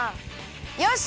よし！